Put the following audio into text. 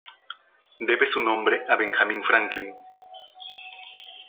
Debe su nombre a Benjamin Franklin.